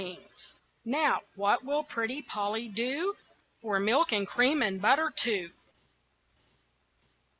Now what will pretty Polly do For milk and cream and butter too?